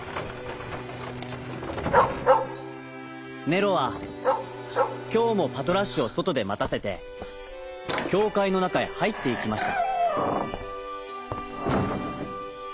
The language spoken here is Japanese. ネロはきょうもパトラッシュをそとでまたせてきょうかいのなかへはいっていきました。